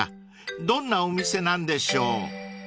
どんなお店なんでしょう］